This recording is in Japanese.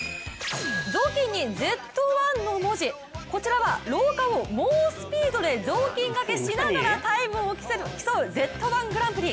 雑巾にＺ−１の文字、こちらは、廊下を猛スピードで雑巾がけしながらタイムを競うＺ−１グランプリ。